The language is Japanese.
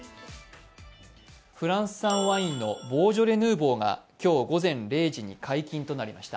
フランス産ワインのボージョレ・ヌーボーが今日午前０時に解禁となりました。